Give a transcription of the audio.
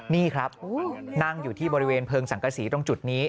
นี่ครับนั่งอยู่ที่บริเวณเพลิงสังกษีตรงจุดนี้